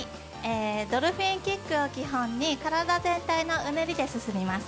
ドルフィンキックを基本に、体全体のうねりで進みます。